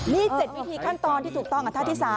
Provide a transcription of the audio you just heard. นี่๗วิธีขั้นตอนที่ถูกต้องกับท่าที่๓